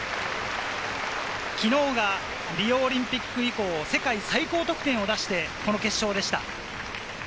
昨日がリオオリンピック以降、世界最高得点を出して、この決勝でした。